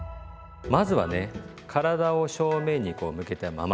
まずはね体を正面にこう向けたままね。